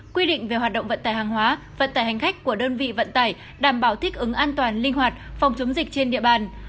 quy định về hoạt động vận tải hàng hóa vận tải hành khách của đơn vị vận tải đảm bảo thích ứng an toàn linh hoạt phòng chống dịch trên địa bàn